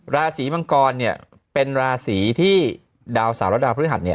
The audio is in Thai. ราศีมังกรเป็นราศีที่ดาวเสาร์และดาวพฤหัสเนี่ย